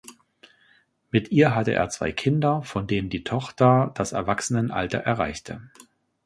Mit ihr hatte er zwei Kinder, von denen die Tochter das Erwachsenenalter erreichte.